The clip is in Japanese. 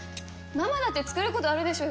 ママだって作る事あるでしょ！